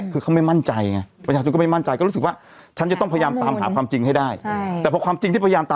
เพราะเฟซนิวเสร็จปุ๊บมันก็ปายกันใหญ่เลยคราวนี้